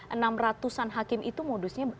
enam ratusan hakim itu modusnya